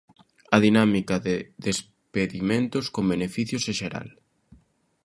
A dinámica de despedimentos con beneficios é xeral.